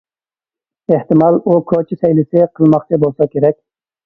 ئېھتىمال، ئۇ كوچا سەيلىسى قىلماقچى بولسا كېرەك.